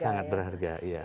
sangat berharga iya